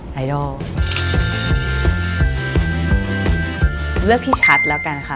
เลือกพี่ชัดแล้วกันค่ะ